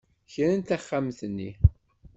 Krant taxxamt-nni.